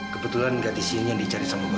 kebetulan capibilya dicari sama bosnya